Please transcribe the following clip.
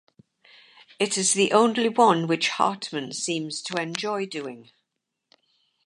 It is the only one which Hartman seems to enjoy doing.